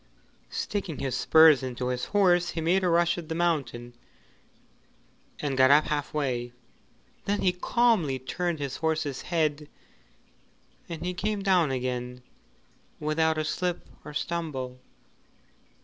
Sticking his spurs into his horse he made a rush at the mountain, and got up half way, then he calmly turned his horse's head and came down again without a slip or stumble.